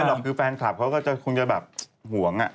หรอกคือแฟนคลับเขาก็คงจะแบบห่วง